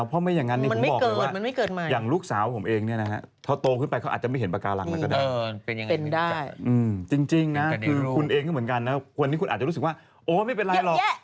วันนี้คุณอาจจะรู้สึกว่าโอ้ไม่เป็นไรหรอก